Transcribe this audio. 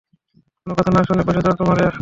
কোনো কথা না শুনে কষে চড় মারে।